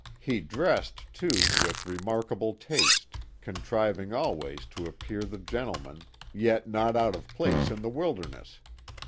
He dressed, too, with remarkable taste, contriving always to appear the gentleman, yet not out of place in the wilderness.